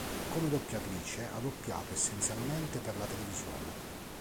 Come doppiatrice, ha doppiato essenzialmente per la televisione.